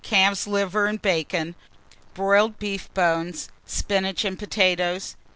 Calf's liver and bacon, broiled beef bones, spinach and potatoes. 3.